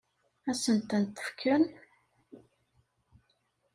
Ad sent-tent-fken?